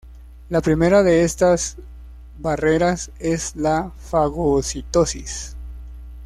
La primera de estas barreras es la fagocitosis.